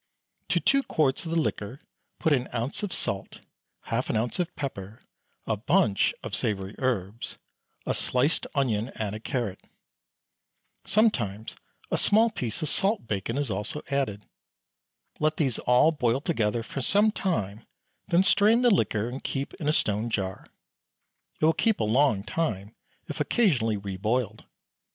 To two quarts of the liquor put an ounce of salt, half an ounce of pepper, a bunch of savoury herbs, a sliced onion and a carrot. Sometimes a small piece of salt bacon is also added. Let these all boil together for some time, then strain the liquor and keep in a stone jar. It will keep a long time if occasionally re boiled.